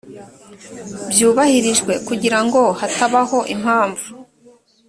byubahirijwe kugira ngo hatabaho impamvu